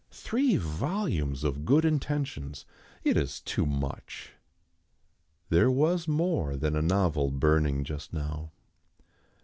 Three volumes of good intentions! It is too much. There was more than a novel burning just now.